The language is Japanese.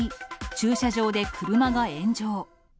駐車場で車が炎上。